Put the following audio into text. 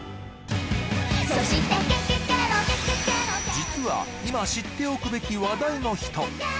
実は今知っておくべき話題の人